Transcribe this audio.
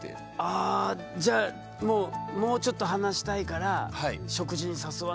あじゃあもうもうちょっと話したいから食事に誘わなきゃってなったんだ。